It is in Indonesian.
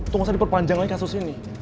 untuk gak usah diperpanjang lagi kasus ini